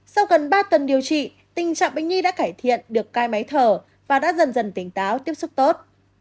sau gần ba tuần điều trị tình trạng bệnh nhi đã cải thiện được cai máy thở và đã dần dần tỉnh táo tiếp xúc tốt